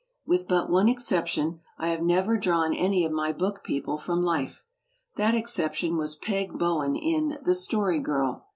With but one exception I have never drawn any of my book people from life. That exception was "Peg Bowen" in The Story Girl.